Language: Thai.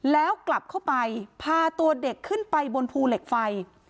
แล้วกลับเข้าไปพาตัวเด็กขึ้นไปบนภูเหล็กไฟ